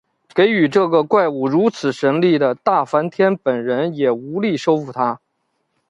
给予这个怪物如此神力的大梵天本人也无力收服它。